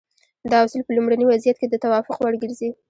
دا اصول په لومړني وضعیت کې د توافق وړ ګرځي.